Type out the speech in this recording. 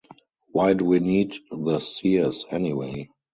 Why do we need the seers anyway?